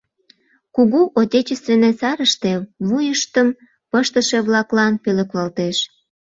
Кугу Отечественный сарыште вуйыштым пыштыше-влаклан пӧлеклалтеш